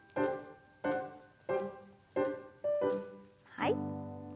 はい。